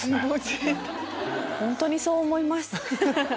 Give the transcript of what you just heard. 本当にそう思います。